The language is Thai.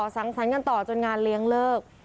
สังสรรค์กันต่อจนงานเลี้ยงเลิก